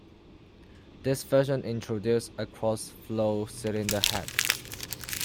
This version introduced a cross-flow cylinder head.